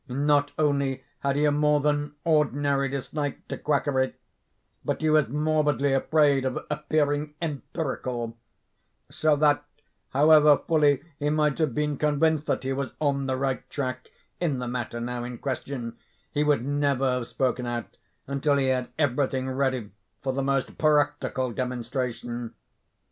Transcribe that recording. Not only had he a more than ordinary dislike to quackery, but he was morbidly afraid of appearing empirical; so that, however fully he might have been convinced that he was on the right track in the matter now in question, he would never have spoken out, until he had every thing ready for the most practical demonstration.